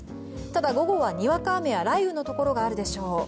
ただ、午後はにわか雨や雷雨のところがあるでしょう。